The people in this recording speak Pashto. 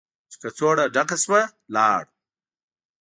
چې کڅوړه ډکه شوه، لاړ.